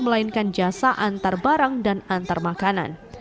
melainkan jasa antar barang dan antar makanan